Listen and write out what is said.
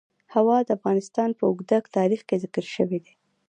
هوا د افغانستان په اوږده تاریخ کې ذکر شوی دی.